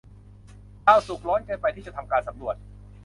ดาวศุกร์ร้อนเกินไปที่จะทำการสำรวจ